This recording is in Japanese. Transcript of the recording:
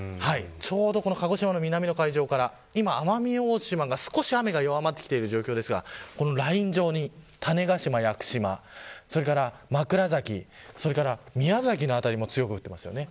鹿児島の南の海上から奄美大島が雨が弱まってきている状況ですがライン状に種子島や屋久島それから枕崎、宮崎の辺りも強く降っています。